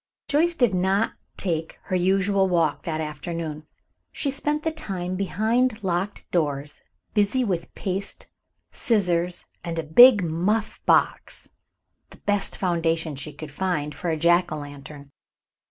Joyce did not take her usual walk that afternoon. She spent the time behind locked doors busy with paste, scissors, and a big muff box, the best foundation she could find for a jack o' lantern.